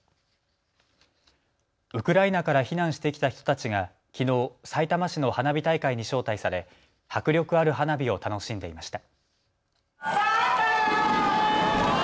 ウクライナから避難してきた人たちがきのう、さいたま市の花火大会に招待され迫力ある花火を楽しんでいました。